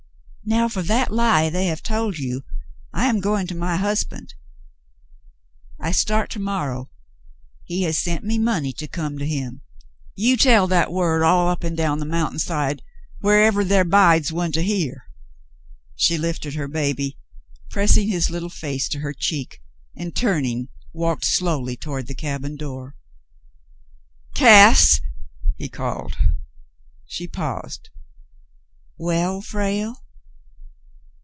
"Now, for that lie they have told you, I am going to my husband. I start to morrow. He has sent me money to come to him. You tell that word all up and down the mountain side, wherever there bides one to hear." She lifted her baby, pressing his little face to her cheek, and turning, walked slowly toward her cabin door. "Gass," he called. She paused. " Well, Frale